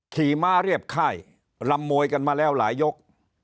ขี่ม้าเรียบค่ายรำมวยกันมาแล้วหลายยก